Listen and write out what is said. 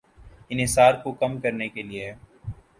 انحصار کو کم کرنے کے لیے